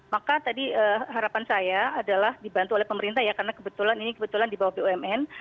maka tadi harapan saya adalah dibantu oleh pemerintah ya karena kebetulan ini kebetulan di bawah bumn